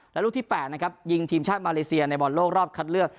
และลูกที่๘นะครับยิงทีมชาติมาเลเซียในบอลโลกรอบคัดเลือก